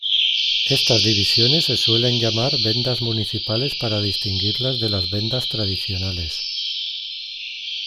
Estas divisiones se suelen llamar vendas municipales para distinguirlas de las vendas tradicionales.